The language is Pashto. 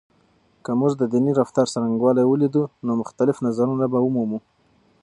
که موږ د دیني رفتار څرنګوالی ولیدو، نو مختلف نظرونه به ومومو.